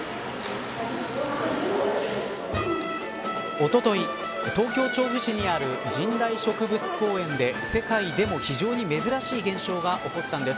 おととい東京、調布市にある神代植物公園で世界でも非常に珍しい現象が起こったんです。